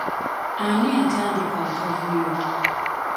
Ani yatandika akavuyo?